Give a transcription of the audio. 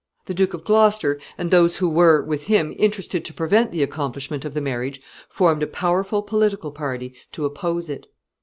The Duke of Gloucester and those who were, with him, interested to prevent the accomplishment of the marriage, formed a powerful political party to oppose it.